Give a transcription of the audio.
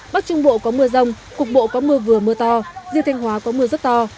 bắc trung bộ có mưa rông cục bộ có mưa vừa mưa to riêng thanh hóa có mưa rất to